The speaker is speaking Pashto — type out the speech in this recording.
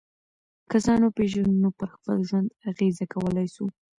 که ځان وپېژنو نو پر خپل ژوند اغېزه کولای سو.